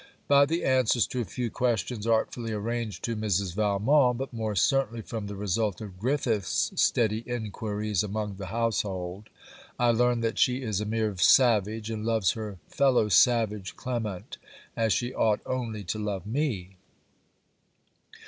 By the answers to a few questions artfully arranged to Mrs. Valmont, but more certainly from the result of Griffiths' steady enquiries among the household, I learn that she is a mere savage, and loves her fellow savage Clement as she ought only to love me.